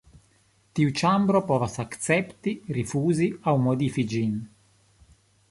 Tiu ĉambro povas akcepti, rifuzi aŭ modifi ĝin.